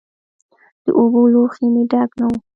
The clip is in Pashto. د اوبو لوښی مې ډک نه و.